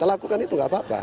aku kan itu gak apa apa